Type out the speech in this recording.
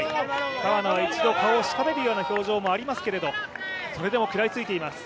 川野は一度顔をしかめるような表情もありますけどそれでも食らいついています。